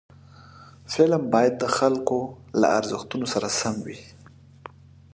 فلم باید د خلکو له ارزښتونو سره سم وي